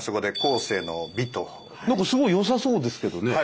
何かすごい良さそうですけどね。